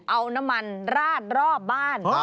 เอาน้ำมันราดรอบบ้าน